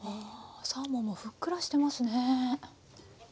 サーモンもふっくらしてますね。